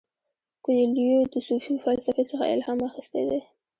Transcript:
کویلیو د صوفي فلسفې څخه الهام اخیستی دی.